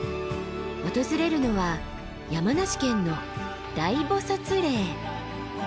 訪れるのは山梨県の大菩嶺。